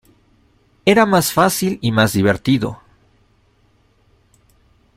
Era más fácil y más divertido".